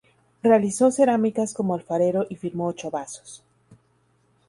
Realizó cerámicas como alfarero y firmó ocho vasos.